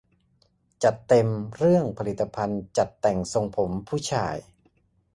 จัดเต็มเรื่องผลิตภัณฑ์จัดแต่งทรงผมผู้ชาย